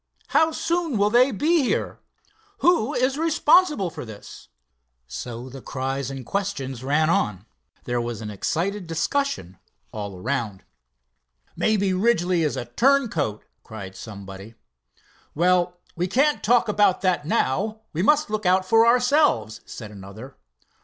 "How soon will they be here?" "Who is responsible for this?" So the cries and questions ran on. There was an excited discussion all around. "Maybe Ridgely is a turncoat!" cried somebody. "Well, we can't talk about that now we must look out for ourselves," said another.